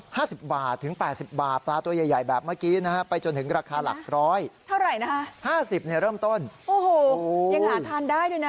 โอ้โหยังหาทานได้ด้วยนะปลาเผาแบบเนี่ย